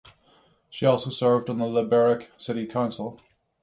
She also served on Liberec City Council.